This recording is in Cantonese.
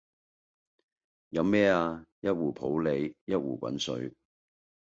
飲咩呀？一壺普洱，一壺滾水